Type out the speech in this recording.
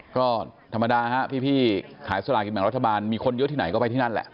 ก็ธรรมดาฮะพี่ขายสลากินแบ่งรัฐบาลมีคนเยอะที่ไหนก็ไปที่นั่นแหละ